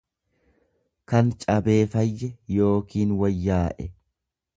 kan cabee fayye yookiin wayyaa'e.